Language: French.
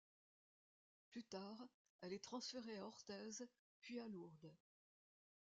Plus tard, elle est transférée à Orthez, puis à Lourdes.